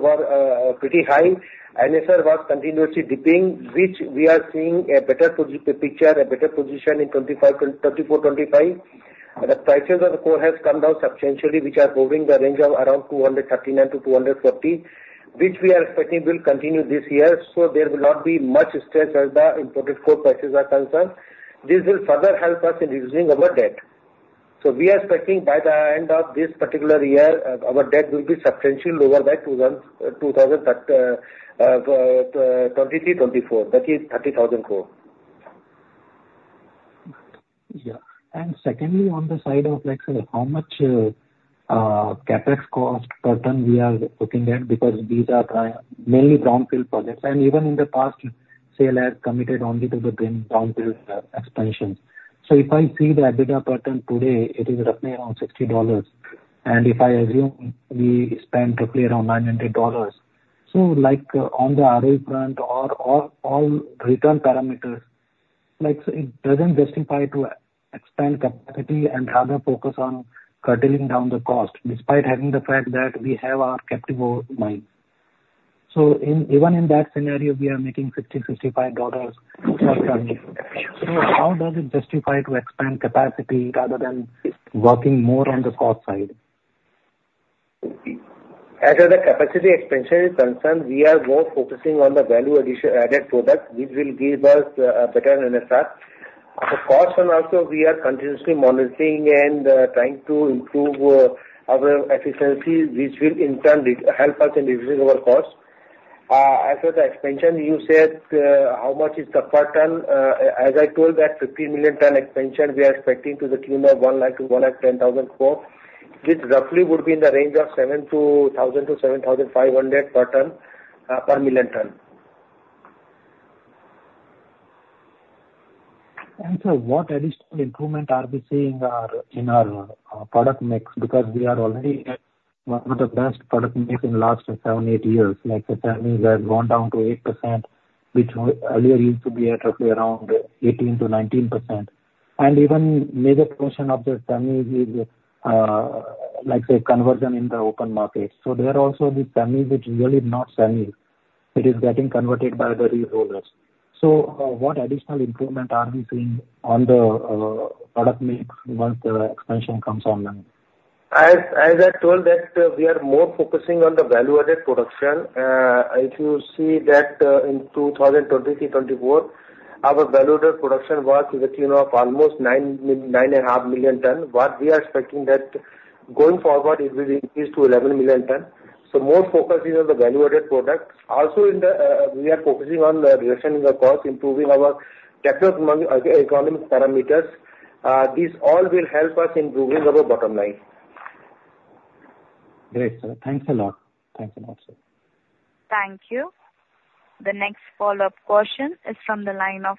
were pretty high. NSR was continuously dipping, which we are seeing a better picture, a better position in 2025, 2024-2025. The prices of the coal has come down substantially, which are holding the range of around 239-240, which we are expecting will continue this year. So there will not be much stress as the imported coal prices are concerned. This will further help us in reducing our debt. We are expecting by the end of this particular year, our debt will be substantially lower by 2,000 crore, 2023-24, that is 30,000 crore. Yeah. Secondly, on the side of like, say, how much CapEx cost per ton we are looking at, because these are mainly brownfield projects, and even in the past, SAIL has committed only to the green brownfield expansion. So if I see the EBITDA pattern today, it is roughly around $60, and if I assume we spend roughly around $900. So like on the ROE front or all return parameters, like, it doesn't justify to expand capacity and rather focus on curtailing down the cost, despite having the fact that we have our captive ore mine. So even in that scenario, we are making $50-$55 per ton. So how does it justify to expand capacity rather than working more on the cost side? As far as the capacity expansion is concerned, we are more focusing on the value addition, added products, which will give us, better NSR. The cost and also we are continuously monitoring and, trying to improve, our efficiency, which will in turn help us in reducing our cost. As per the expansion, you said, how much is the per ton? As I told that 15 million ton expansion, we are expecting to the tune of 100,000 crore-110,000 crore, which roughly would be in the range of 7,000-7,500 per ton, per million ton. And so what additional improvement are we seeing in our product mix? Because we are already at one of the best product mix in the last 7, 8 years. Like the semis have gone down to 8%, which earlier used to be at roughly around 18%-19%. And even major portion of the semis is like, say, conversion in the open market. So there are also the semis which is really not semis. It is getting converted by the resellers. So, what additional improvement are we seeing on the product mix once the expansion comes online? As I told that, we are more focusing on the value-added production. If you see that, in 2023-24, our value-added production was to the tune of almost 9, 9.5 million tons, but we are expecting that going forward, it will increase to 11 million ton. So more focus is on the value-added product. Also in the, we are focusing on reducing the cost, improving our capital economic parameters. These all will help us in improving our bottom line. Great, sir. Thanks a lot. Thanks a lot, sir. Thank you. The next follow-up question is from the line of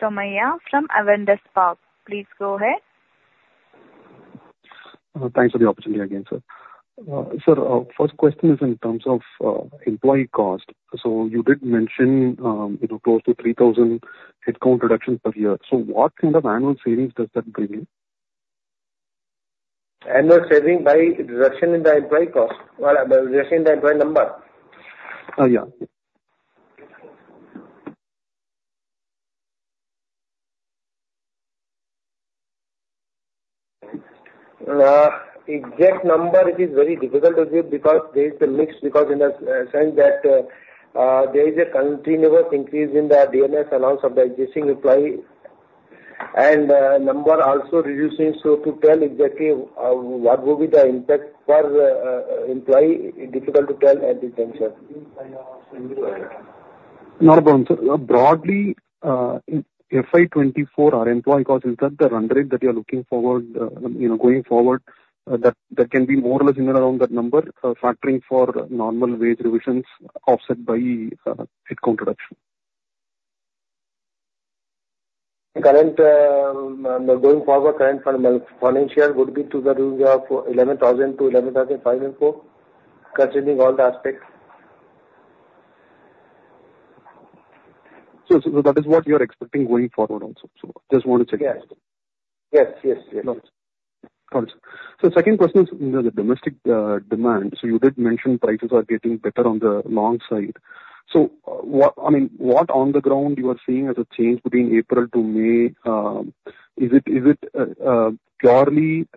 Somaiah from Avendus Spark. Please go ahead. Thanks for the opportunity again, sir. Sir, first question is in terms of employee cost. So you did mention, you know, close to 3,000 headcount reduction per year. So what kind of annual savings does that bring in? Annual saving by reduction in the employee cost, reduction in the employee number? Uh, yeah. Exact number, it is very difficult to give because there is a mix, because in the sense that, there is a continuous increase in the dearness allowance of the existing employee, and number also reducing. So to tell exactly, what will be the impact per employee, it difficult to tell at this time, sir. No problem, sir. Broadly, in FY 2024, our employee cost, is that the run rate that you are looking forward, you know, going forward, that, that can be more or less in and around that number, factoring for normal wage revisions offset by, headcount reduction? Current, going forward, current financial would be to the tune of 11,000-11,500 employees, considering all the aspects. So, so that is what you're expecting going forward also. So just want to check. Yes. Yes, yes, yes. Got it. So second question is the domestic demand. So you did mention prices are getting better on the long side. So what... I mean, what on the ground you are seeing as a change between April to May? Is it purely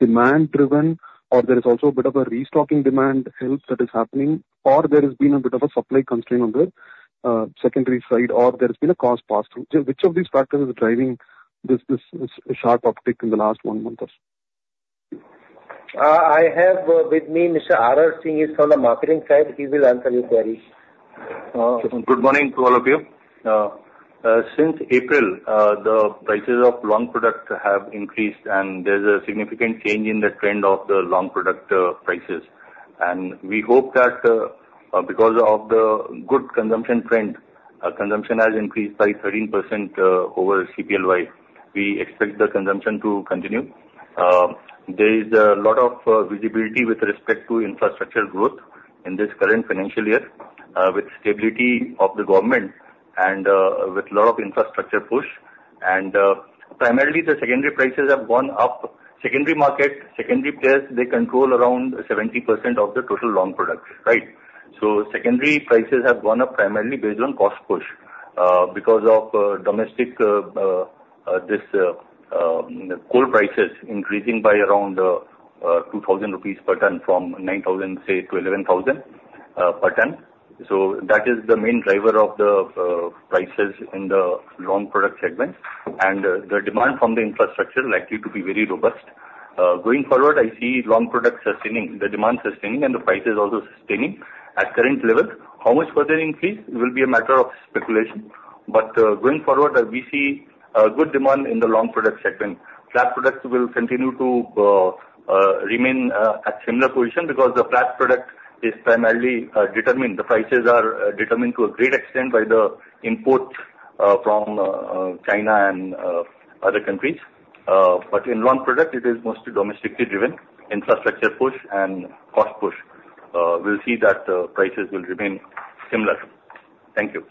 demand driven, or there is also a bit of a restocking demand help that is happening, or there has been a bit of a supply constraint on the secondary side, or there's been a cost pass-through? So which of these factors is driving-... this, this is a sharp uptick in the last one month or so. I have with me Mr. R.R. Singh, he's from the marketing side. He will answer your query. Good morning to all of you. Since April, the prices of long product have increased, and there's a significant change in the trend of the long product, prices. And we hope that, because of the good consumption trend, consumption has increased by 13% over CPLY. We expect the consumption to continue. There is a lot of visibility with respect to infrastructure growth in this current financial year, with stability of the government and, with lot of infrastructure push. And, primarily the secondary prices have gone up. Secondary market, secondary players, they control around 70% of the total long product, right? So secondary prices have gone up primarily based on cost push. Because of domestic coking coal prices increasing by around 2,000 rupees per ton from 9,000, say, to 11,000 per ton. So that is the main driver of the prices in the long product segment. And the demand from the infrastructure likely to be very robust. Going forward, I see long products sustaining, the demand sustaining, and the prices also sustaining at current levels. How much further increase will be a matter of speculation. But going forward, we see a good demand in the long product segment. flat products will continue to remain at similar position because the flat products is primarily determined, the prices are determined to a great extent by the imports from China and other countries. But in long product, it is mostly domestically driven, infrastructure push and cost push. We'll see that, prices will remain similar. Thank you.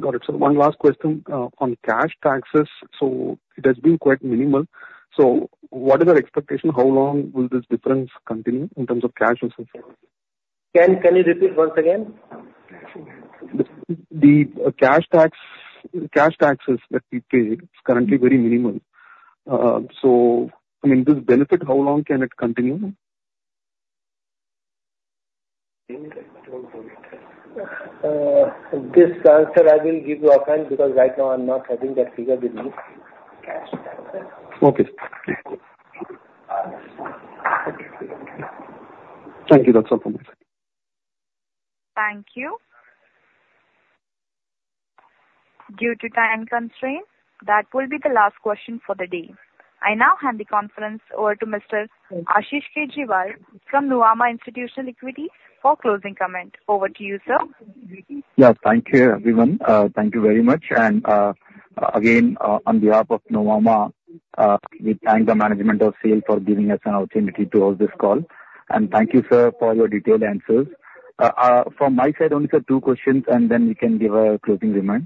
Got it. So one last question on cash taxes. So it has been quite minimal. So what is our expectation? How long will this difference continue in terms of cash and so forth? Can you repeat once again? The cash tax, cash taxes that we pay is currently very minimal. So I mean, this benefit, how long can it continue? This answer I will give you offline, because right now I'm not having that figure with me. Okay. Thank you. That's all from my side. Thank you. Due to time constraint, that will be the last question for the day. I now hand the conference over to Mr. Ashish Kejriwal from Nomura Institutional Equities for closing comment. Over to you, sir. Yes, thank you, everyone. Thank you very much. And, again, on behalf of Nomura, we thank the management of SAIL for giving us an opportunity to host this call. And thank you, sir, for your detailed answers. From my side only, sir, 2 questions, and then we can give a closing remark.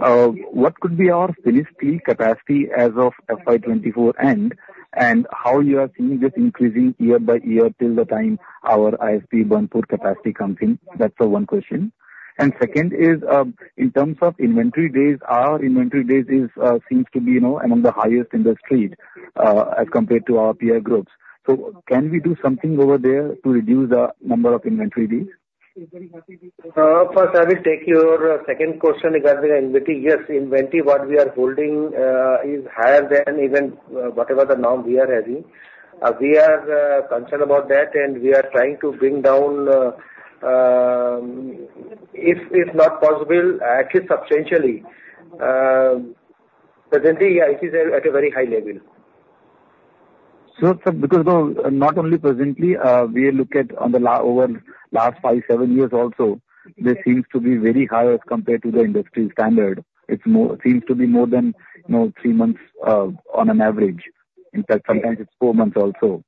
What could be our finished steel capacity as of FY24 end, and how you are seeing this increasing year by year till the time our ISP Burnpur capacity comes in? That's the one question. And second is, in terms of inventory days, our inventory days is, seems to be, you know, among the highest in the street, as compared to our peer groups. So can we do something over there to reduce the number of inventory days? First I will take your second question regarding inventory. Yes, inventory, what we are holding, is higher than even whatever the norm we are having. We are concerned about that, and we are trying to bring down, if not possible, at least substantially. Presently, yeah, it is at a very high level. So, sir, because not only presently, we look at over last five, seven years also, this seems to be very high as compared to the industry standard. It's more, seems to be more than, you know, three months on an average. In fact, sometimes it's four months also.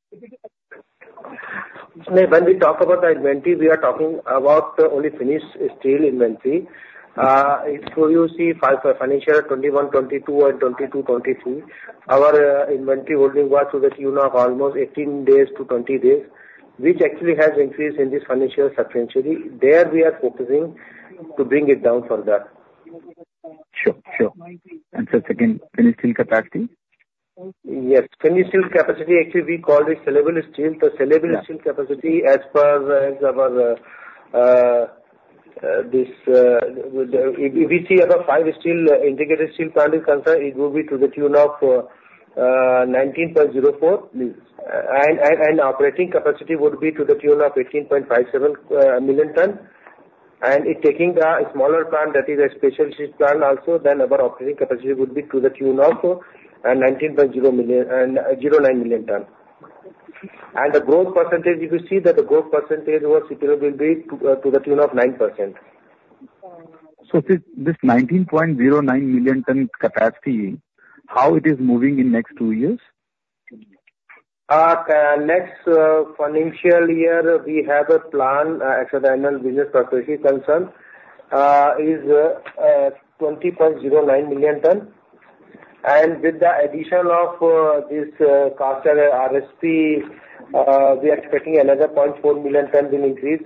When we talk about the inventory, we are talking about only finished steel inventory. So you see, for financial 2021-2022 and 2022-2023, our inventory holding was to the tune of almost 18-20 days, which actually has increased in this financial year substantially. There we are focusing to bring it down further. Sure, sure. And so second, finished steel capacity? Yes. Finished steel capacity, actually, we call it saleable steel. The saleable- Yeah... steel capacity as per our this if we see our five steel integrated steel plant is concerned, it will be to the tune of 19.04. Mm. Operating capacity would be to the tune of 18.57 million ton. And if taking the smaller plant, that is a special steel plant also, then our operating capacity would be to the tune of 19.09 million ton. And the growth percentage, if you see that the growth percentage was available will be to the tune of 9%. This, this 19.09 million ton capacity, how it is moving in next two years? Next financial year, we have a plan, as the annual business proposition concerned, is 20.09 million ton. And with the addition of this caster RSP, we are expecting another 0.4 million ton will increase.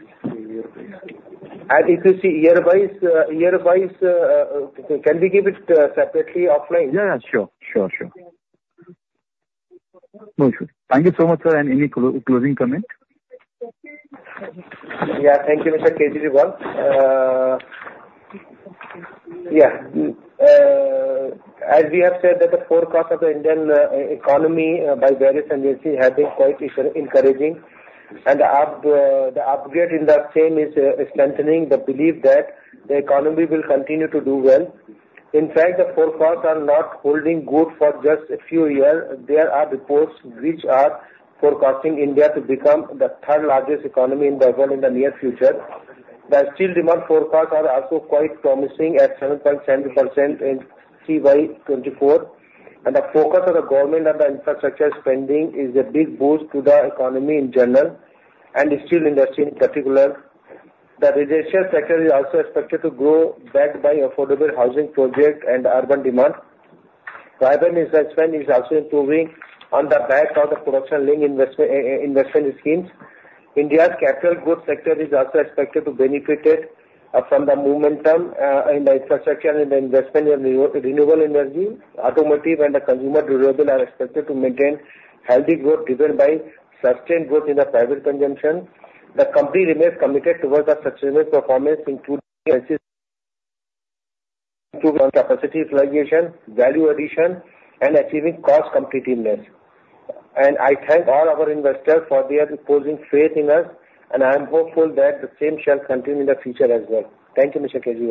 And if you see year wise, year wise... Can we give it separately offline? Yeah, yeah, sure, sure, sure. No issue. Thank you so much, sir, and any closing comment? Yeah, thank you, Mr. Kejriwal. As we have said, that the forecast of the Indian economy by various agencies has been quite encouraging. The upgrade in the same is strengthening the belief that the economy will continue to do well. In fact, the forecasts are not holding good for just a few years. There are reports which are forecasting India to become the third largest economy in the world in the near future. The steel demand forecasts are also quite promising at 7.7% in FY 2024, and the focus of the government on the infrastructure spending is a big boost to the economy in general and the steel industry in particular. The residential sector is also expected to grow, backed by affordable housing projects and urban demand. Private investment is also improving on the back of the Production Linked Incentive schemes. India's capital goods sector is also expected to benefit from the momentum in the infrastructure and the investment in renewable energy. Automotive and consumer durable are expected to maintain healthy growth, driven by sustained growth in the private consumption. The company remains committed towards the sustainable performance, including... capacity utilization, value addition, and achieving cost competitiveness. And I thank all our investors for their reposing faith in us, and I am hopeful that the same shall continue in the future as well. Thank you, Mr. Kejriwal.